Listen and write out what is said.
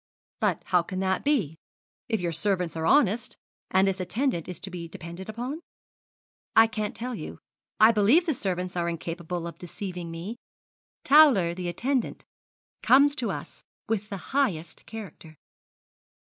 'But how can that be, if your servants are honest, and this attendant is to be depended upon?' 'I can't tell you. I believe the servants are incapable of deceiving me. Towler, the attendant, comes to us with the highest character.'